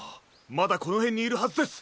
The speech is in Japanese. まだこのへんにいるはずです！